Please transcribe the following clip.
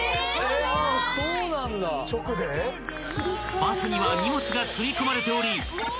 ［バスには荷物が積み込まれており］